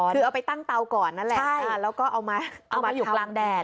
คือเอาไปตั้งเตาก่อนนั่นแหละแล้วก็เอามาอยู่กลางแดด